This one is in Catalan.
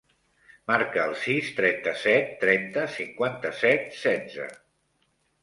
Marca el sis, trenta-set, trenta, cinquanta-set, setze.